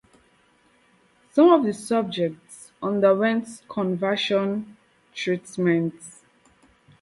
Some of the subjects underwent conversion treatments.